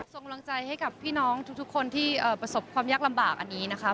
ส่งกำลังใจให้กับพี่น้องทุกคนที่ประสบความยากลำบากอันนี้นะคะ